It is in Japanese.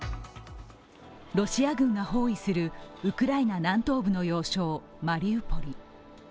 ロシア軍が包囲するウクライナの南東部の要衝マリウポリ。